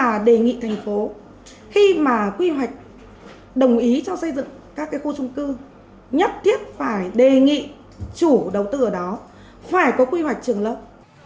và đề nghị thành phố khi mà quy hoạch đồng ý cho xây dựng các cái khu trung cư nhất thiết phải đề nghị chủ đầu tư ở đó phải có quy hoạch trường lớp